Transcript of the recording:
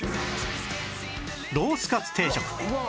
ロースかつ定食